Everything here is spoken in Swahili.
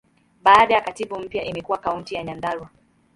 Baada ya katiba mpya, imekuwa Kaunti ya Nyandarua.